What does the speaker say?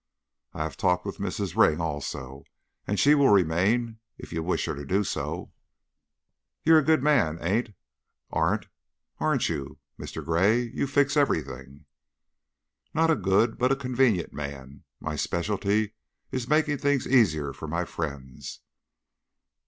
I had a talk with Mrs. Ring also, and she will remain if you wish her to do so." "You're a a good man, ain't " "Aren't!" " aren't you, Mr. Gray? You fix everything." "Not a good, but a convenient man. My specialty is making things easier for my friends."